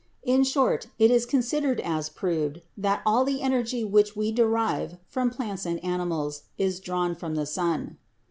In short, it is considered as proved that all the energy which we derive from plants and animals is drawn from the sun.